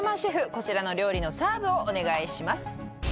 こちらの料理のサーブをお願いします